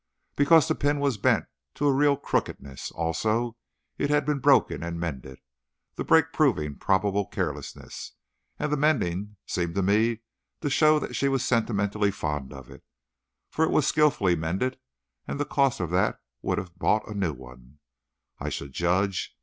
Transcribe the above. "Because the pin was bent to a real crookedness. Also, it had been broken and mended. The break proving probable carelessness, and the mending seemed to me to show that she was sentimentally fond of it, for it was skilfully mended and the cost of that would have bought a new one, I should judge.